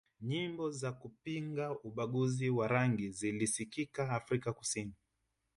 nyimbo za kupinga ubaguzi wa rangi zilisikika Afrika kusini